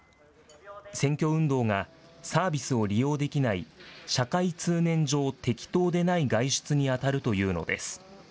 選挙運動がサービスを利用できない社会通念上適当でない外出に当たるというのです。